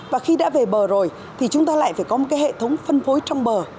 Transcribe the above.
và khi đã về bờ rồi thì chúng ta lại phải có một cái hệ thống phân phối trong bờ